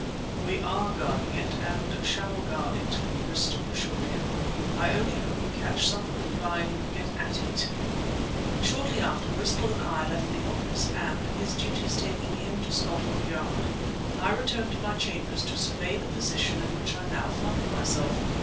"We are guarding it and shall guard it," Bristol assured him. "I only hope we catch someone trying to get at it!" Shortly afterward Bristol and I left the office, and, his duties taking him to Scotland Yard, I returned to my chambers to survey the position in which I now found myself.